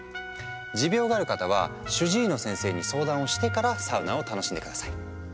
持病がある方は主治医の先生に相談をしてからサウナを楽しんで下さい。